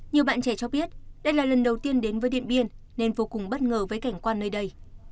nhiều bạn trẻ cho biết đây là lần đầu tiên đến với điện biên nên vô cùng bất ngờ với cảnh quan nơi đây